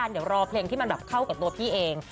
เดี๋ยวรอเพลงที่มันแบบเข้ากับตัวพี่เอง